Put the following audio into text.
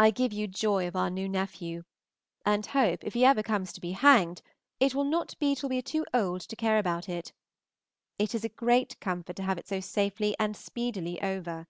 I give you joy of our new nephew, and hope if he ever comes to be hanged it will not be till we are too old to care about it. It is a great comfort to have it so safely and speedily over.